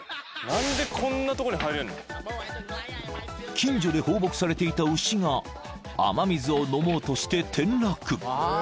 ［近所で放牧されていた牛が雨水を飲もうとして転落］